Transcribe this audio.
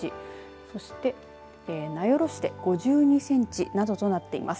そして名寄市で５２センチなどとなっています。